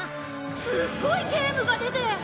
すっごいゲームが出て。